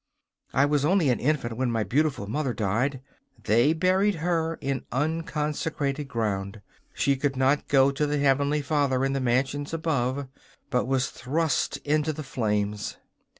'I was only an infant when my beautiful mother died. They buried her in unconsecrated ground. She could not go to the Heavenly Father in the mansions above, but was thrust into the flames.